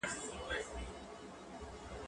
کېدای سي کښېناستل اوږدې وي؟